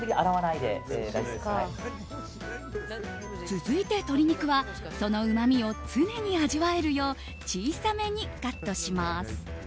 続いて、鶏肉はそのうまみを常に味わえるよう小さめにカットします。